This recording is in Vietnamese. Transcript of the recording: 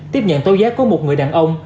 tiếp nhận tối giá của một người đàn ông